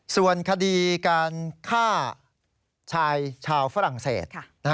ส่วนคดีการฆ่าชายชาวฝรั่งเศส